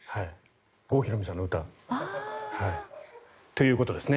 郷ひろみさんの歌ということですね。